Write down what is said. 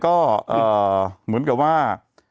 ก็เหมือนกับว่า